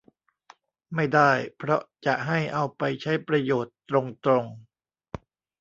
ไม่ได้เพราะจะให้เอาไปใช้ประโยชน์ตรงตรง